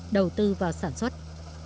đầu tư vào sản lượng